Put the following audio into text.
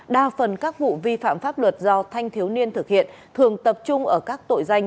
đa phần các vụ vi phạm pháp luật do thanh thiếu niên thực hiện thường tập trung ở các tội danh